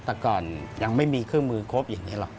แต่ก่อนยังไม่มีเครื่องมือครบอย่างนี้หรอก